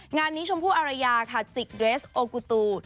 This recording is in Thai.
งานนี้ชมพู่อารยาค่ะจิกเดรสโอกูตู